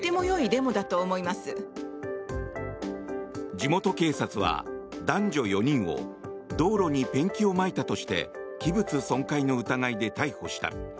地元警察は男女４人を道路にペンキをまいたとして器物損壊の疑いで逮捕した。